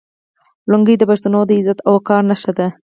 لونګۍ د پښتنو د عزت او وقار نښه ده.